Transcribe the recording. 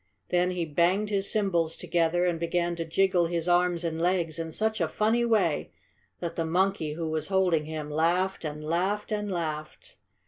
Then he banged his cymbals together and began to jiggle his arms and legs in such a funny way that the monkey who was holding him laughed and laughed and laughed.